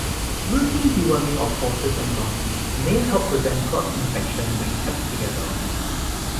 Routine deworming of horses and donkeys may help prevent cross infection when kept together.